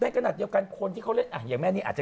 ทั้งปี